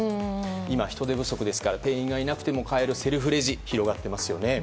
今人手不足ですから店員がいなくても買えるセルフレジが広がっていますね。